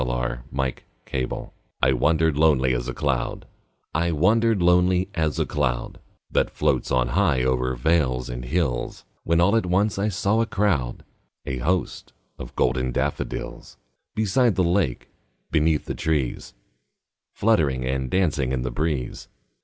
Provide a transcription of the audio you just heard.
William Wordsworth I Wandered Lonely As a Cloud I WANDERED lonely as a cloud That floats on high o'er vales and hills, When all at once I saw a crowd, A host, of golden daffodils; Beside the lake, beneath the trees, Fluttering and dancing in the breeze.